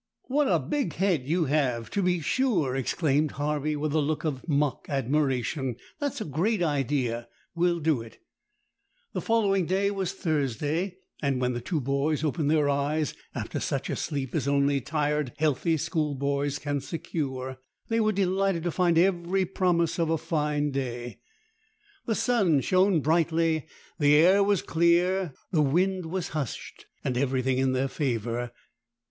"What a big head you have, to be sure!" exclaimed Harvey, with a look of mock admiration. "That's a great idea. We'll do it." The following day was Thursday, and when the two boys opened their eyes after such a sleep as only tired healthy schoolboys can secure, they were delighted to find every promise of a fine day. The sun shone brightly, the air was clear, the wind was hushed, and everything in their favour.